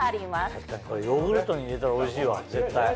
確かにこれヨーグルトに入れたらおいしいわ絶対。